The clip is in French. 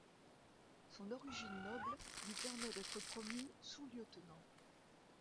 Son origine noble lui permet d'être promu sous-lieutenant.